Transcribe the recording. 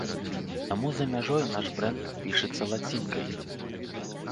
Таму за мяжой наш брэнд пішацца лацінкай.